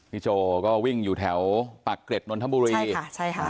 พี่โจก็วิ่งอยู่แถวปักเกร็จหนนทบุรี